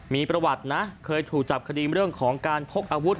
มีประวัตินะเคยถูกจับคดีเรื่องของการพกอาวุธ